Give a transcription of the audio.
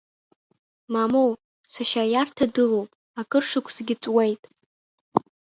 Мамоу, сашьа, аиарҭа дылоуп, акыр шықәсагьы ҵуеит.